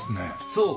そう！